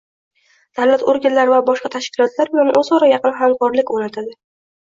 davlat organlari va boshqa tashkilotlar bilan o’zaro yaqin hamkorlik o’rnatadi.